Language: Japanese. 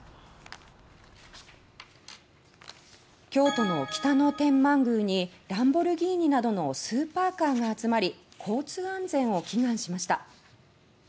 京都の北野天満宮にランボルギーニなどのスーパーカーが集まり交通安全を祈願しました。